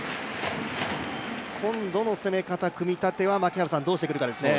今度の攻め方、組み立てはどうしてくるかですね。